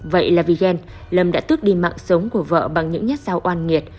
vậy là vì gen lâm đã tước đi mạng sống của vợ bằng những nhát sao oan nghiệt